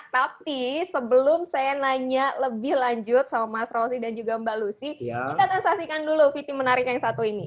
tapi sebelum saya nanya lebih lanjut sama mas rosi dan juga mbak lucy kita akan saksikan dulu vt menarik yang satu ini